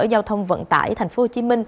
giao thông vận tải tp hcm